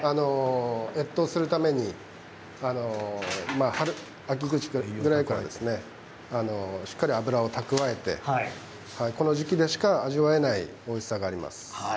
越冬するために秋口ぐらいからしっかり脂を蓄えてこの時期でしか味わえないおいしさがあります。